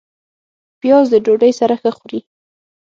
پیاز د ډوډۍ سره ښه خوري